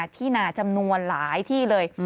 ที่นาจำนวนหลายที่เลย